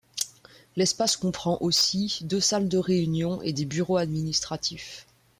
L'espace comprend aussi, deux salles de réunions et des bureaux administratifs.